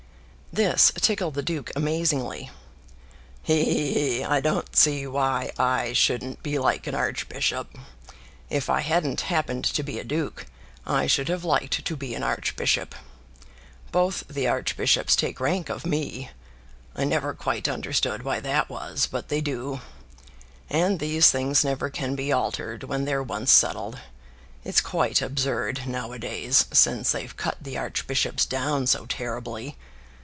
This tickled the duke amazingly. "He, he, he; I don't see why I shouldn't be like an archbishop. If I hadn't happened to be a duke, I should have liked to be an archbishop. Both the archbishops take rank of me. I never quite understood why that was, but they do. And these things never can be altered when they're once settled. It's quite absurd, now a days, since they've cut the archbishops down so terribly.